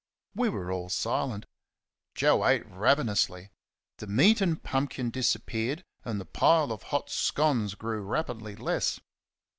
We were all silent. Joe ate ravenously. The meat and pumpkin disappeared, and the pile of hot scones grew rapidly less.